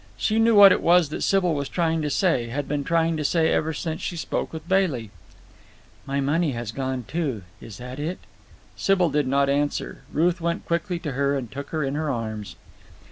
She knew what it was that Sybil was trying to say, had been trying to say ever since she spoke with Bailey. "My money has gone, too? Is that it?" Sybil did not answer. Ruth went quickly to her and took her in her arms.